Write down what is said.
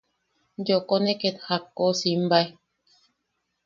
Yooko ne ket jakko simbae.